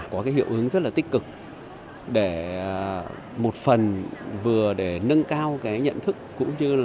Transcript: có cái hiệu ứng rất là tích cực để một phần vừa để nâng cao cái nhận thức